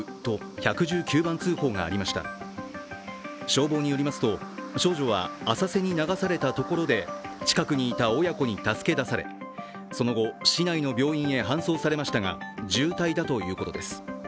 消防によりますと、少女は浅瀬に流されたところで近くにいた親子に助け出され、その後、市内の病院へ搬送されましたが重体だということです。